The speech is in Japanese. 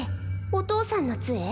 お父さんの杖？